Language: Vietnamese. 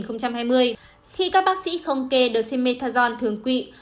khi các bác sĩ không kê dexamethasone thường quỵ